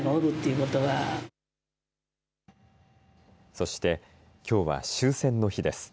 そして、きょうは終戦の日です。